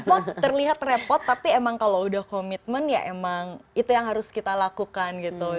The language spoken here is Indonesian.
pot terlihat repot tapi emang kalau udah komitmen ya emang itu yang harus kita lakukan gitu